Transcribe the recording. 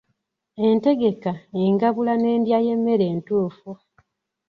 Entegeka, engabula n'endya y'emmere entuufu.